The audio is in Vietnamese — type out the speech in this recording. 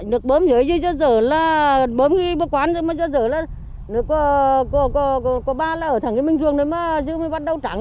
nước bơm dưới dưới dơ dở là bơm đi bơm quán dưới dơ dở là nước có ba là ở thẳng cái mình ruồng đấy mà dưới mới bắt đầu trắng